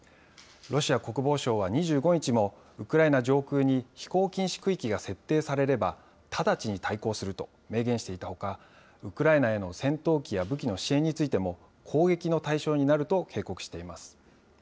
ロシア国防省は２５日も、ウクライナ上空に飛行禁止区域が設定されれば、直ちに対抗すると明言していたほか、ウクライナへの戦闘機や武器の支援についても、攻撃の対象になると警告しています。